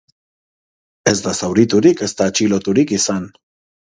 Ez da zauriturik ezta atxiloturik izan.